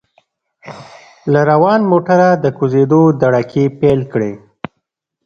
له روان موټره د کوزیدو دړکې پېل کړې.